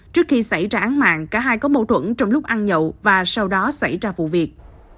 trước khi xảy ra án mạng cả hai có mâu thuẫn trong lúc ăn nhậu và sau đó xảy ra vụ việc